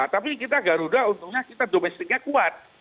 tapi kita garuda untungnya kita domestiknya kuat